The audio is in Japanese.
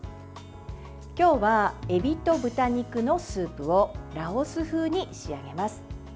今日は、エビと豚肉のスープをラオス風に仕上げます。